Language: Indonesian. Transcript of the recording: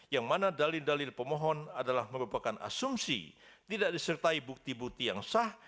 yang mana dalil dalil pemohon adalah merupakan asumsi tidak disertai bukti bukti yang sah